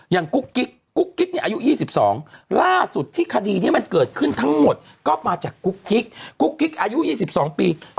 อย่างกุ๊กกิ๊กกุ๊กกิ๊กนี่อายุยี่สิบสองล่าสุดที่คดีนี้มันเกิดขึ้นทั้งหมดก็มาจากกุ๊กกิ๊กกุ๊กกิ๊กอายุยี่สิบสองปี